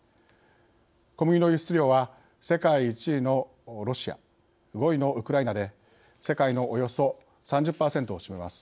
小麦の輸出量は世界１位のロシア５位のウクライナで世界のおよそ３０％を占めます。